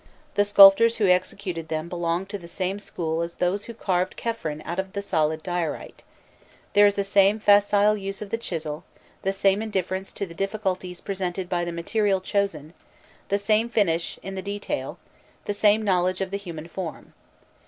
The sculptors who executed them belonged to the same school as those who carved Khephren out of the solid diorite: there is the same facile use of the chisel, the same indifference to the difficulties presented by the material chosen, the same finish in the detail, the same knowledge of the human form.